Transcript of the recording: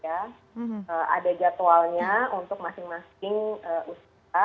ada jadwalnya untuk masing masing usia